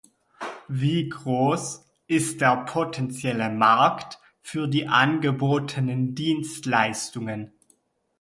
Wie groß ist der potenzielle Markt für die angebotenen Dienstleistungen?